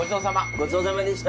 ごちそうさまでした。